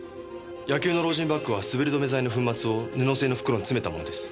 野球のロージンバッグは滑り止め剤の粉末を布製の袋に詰めたものです。